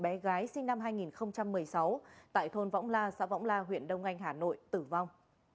bé gái sinh năm hai nghìn một mươi sáu tại thôn võng la xã võng la huyện đông anh hà nội tử vong